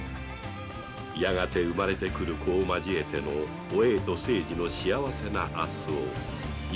やがて生まれてくる子を交えてのお栄と清次の幸せな明日を祈り信じる吉宗であった